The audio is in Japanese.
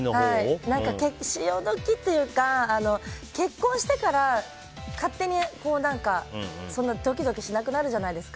潮時というか結婚してから勝手にそんなにドキドキしなくなるじゃないですか。